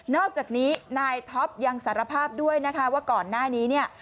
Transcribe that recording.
อกจากนี้นายท็อปยังสารภาพด้วยนะคะว่าก่อนหน้านี้เนี่ย